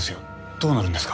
どうなるんですか？